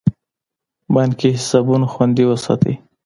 بانکي حسابونه خوندي وساتئ.